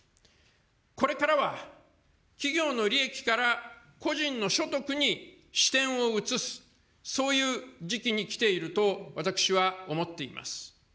これからは企業の利益から個人の所得に視点を移す、そういう時期に来ていると、私は思っています。